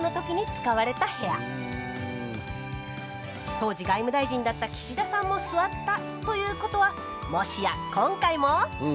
当時外務大臣だった岸田さんも座ったということはもしや今回も？